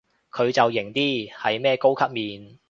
佢就型啲，係咩高級面